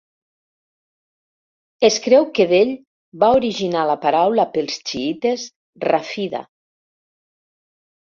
Es creu que d'ell va originar la paraula pels xiïtes, Rafida.